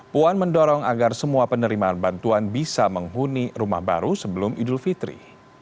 puan mendorong agar semua penerimaan bantuan bisa menghuni rumah baru sebelum idul fitri